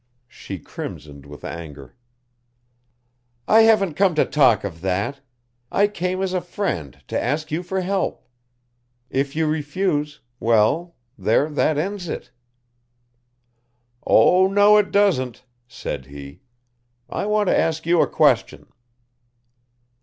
She crimsoned with anger. "I haven't come to talk of that. I came as a friend to ask you for help. If you refuse, well, there that ends it." "Oh, no, it doesn't," said he. "I want to ask you a question."